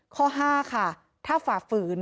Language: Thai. ข้อ๕ค่ะถ้าฝ่าฝืน